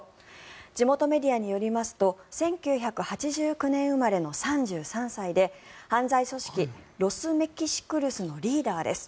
地元メディアによりますと１９８９年生まれの３３歳で犯罪組織ロス・メキシクルスのリーダーです。